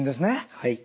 はい。